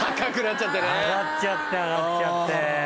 上がっちゃって上がっちゃって。